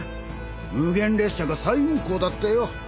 無限列車が再運行だってよ。